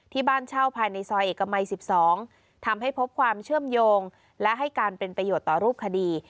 บ้านเช่าภายในซอยเอกมัย๑๒ทำให้พบความเชื่อมโยงและให้การเป็นประโยชน์ต่อรูปคดี